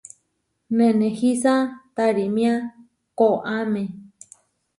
Nenehísa tarímia koʼáme.